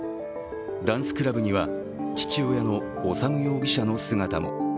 ダンスクラブには、父親の修容疑者の姿も。